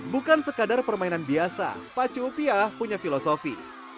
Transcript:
bukan sekadar permainan biasa pacu upiah punya filosofi